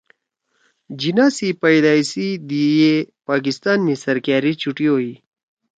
جناح سی پیدائش سی دِی ئے پاکستان می سرکأری چُھٹی ہوئی